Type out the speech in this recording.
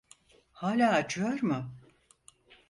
Hâlâ acıyor mu?